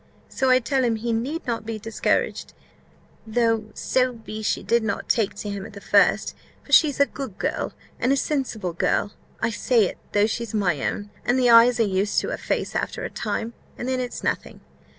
So I tell him he need not be discouraged, though so be she did not take to him at the first; for she's a good girl, and a sensible girl I say it, though she's my own; and the eyes are used to a face after a time, and then it's nothing.